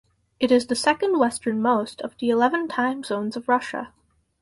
It is the second-westernmost of the eleven time zones of Russia.